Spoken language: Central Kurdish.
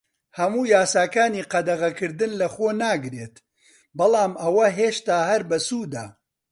هەموو یاساکانی قەدەغەکردن لەخۆ ناگرێت، بەڵام ئەوە هێشتا هەر بەسوودە.